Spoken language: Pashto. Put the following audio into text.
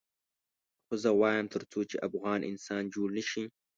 خو زه وایم تر څو چې افغان انسان جوړ نه شي.